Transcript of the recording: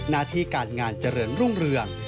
หน้าที่การงานเจริญรุ่งเรือง